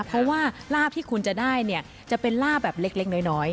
เพราะว่าลาบที่คุณจะได้เนี่ยจะเป็นลาบแบบเล็กน้อย